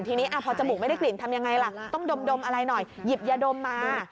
ทีนี้พอจมูกไม่ได้กลิ่นทำยังไงล่ะต้องดมอะไรหน่อยหยิบยาดมมา